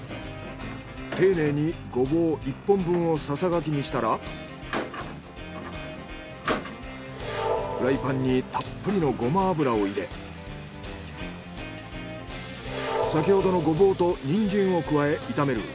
丁寧にゴボウ１本分をささがきにしたらフライパンにたっぷりのゴマ油を入れ先ほどのゴボウとニンジンを加え炒める。